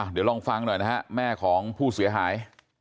เดี๋ยวลองฟังหน่อยนะฮะแม่ของผู้เสียหาย